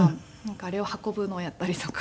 あれを運ぶのをやったりとか。